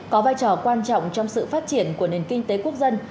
có vai trò quan trọng trong sự phát triển của nền kinh tế quốc dân